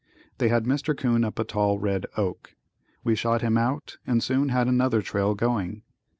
They had Mr. 'Coon up a tall red oak. We shot him out and soon had another trail going.